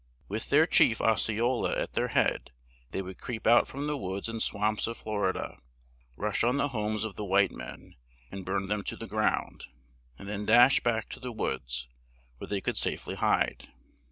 With their chief Os ce o la at their head they would creep out from the woods and swamps of Flor i da, rush on the homes of the white men, and burn them to the ground, and then dash back to the woods, where they could safe ly hide.